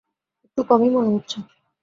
একটু কমই মনে হচ্ছে।